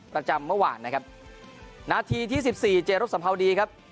ประจำเมื่อวานนะครับนาทีที่สิบสี่เจรบสัมภาวดีครับ